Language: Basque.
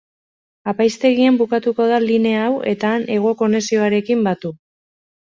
Apaizgaitegian bukatuko da linea hau eta han hego konexioarekin batu.